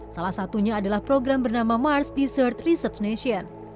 salah satunya adalah program bernama mars dessert research nation